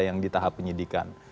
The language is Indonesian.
yang di tahap penyelidikan